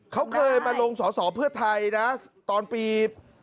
เขาเคยมาลงสอสอเพื่อไทยนะตอนปี